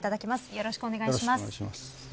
よろしくお願いします。